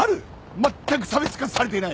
まったく差別化されていない。